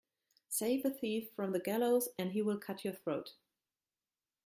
Save a thief from the gallows and he will cut your throat.